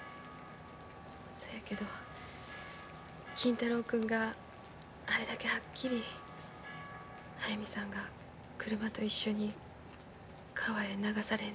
そやけど金太郎君があれだけはっきり速水さんが車と一緒に川へ流されんのを見たて。